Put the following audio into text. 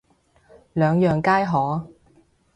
兩樣皆可